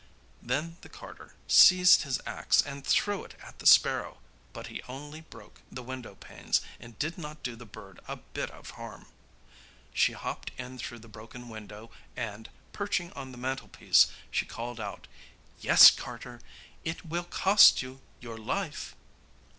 Then the carter seized his axe and threw it at the sparrow, but he only broke the window panes, and did not do the bird a bit of harm. She hopped in through the broken window and, perching on the mantelpiece, she called out; 'Yes, carter, it will cost you your life.